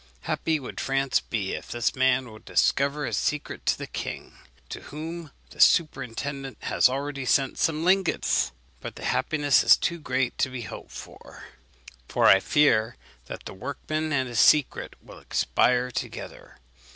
Happy would France be if this man would discover his secret to the king, to whom the superintendent has already sent some lingots! But the happiness is too great to be hoped for; for I fear that the workman and his secret will expire together.